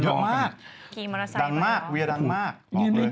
ดังมากเวียดังมาก